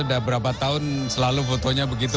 ada berapa tahun selalu fotonya begitu